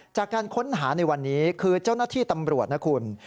จากการค้นหาในวันนี้คือเจ้าหน้าที่ตำรวจนะคุณ